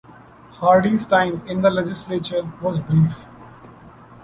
Hardy's time in the legislature was brief.